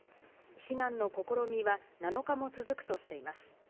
避難の試みは７日も続くとしています。